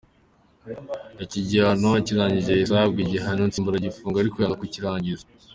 Iki gihano akirangije yahise ahabwa igihano nsimburagifungo ariko yanga kukirangiza.